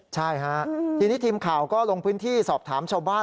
ใช่ฮะทีนี้ทีมข่าวก็ลงพื้นที่สอบถามชาวบ้าน